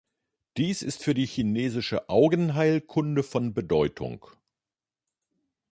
Dies ist für die chinesische Augenheilkunde von Bedeutung.